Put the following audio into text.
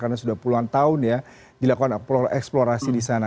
karena sudah puluhan tahun ya dilakukan eksplorasi di sana